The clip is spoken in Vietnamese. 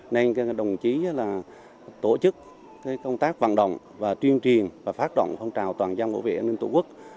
nên đồng chí tổ chức công tác vận động truyền truyền và phát động phong trào toàn giao ngộ vệ an ninh tổ quốc